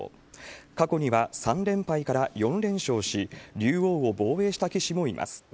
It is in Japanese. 過去には３連敗から４連勝し、竜王を防衛した棋士もいます。